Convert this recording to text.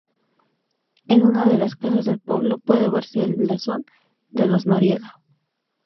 En una de las casas del pueblo puede verse el blasón de los Noriega.